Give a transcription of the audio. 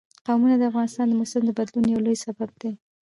قومونه د افغانستان د موسم د بدلون یو لوی سبب کېږي.